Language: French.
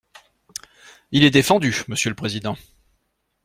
Il est défendu, monsieur le Président.